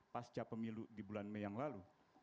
pasca pemilu di bulan mei yang lalu